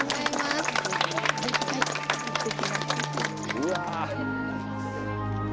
うわ。